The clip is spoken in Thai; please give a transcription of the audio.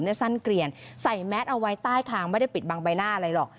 สั้นเกลียนใส่แมสเอาไว้ใต้คางไม่ได้ปิดบังใบหน้าอะไรหรอก